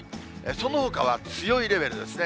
そのほかは強いレベルですね。